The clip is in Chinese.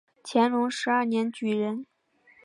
乾隆十二年举人。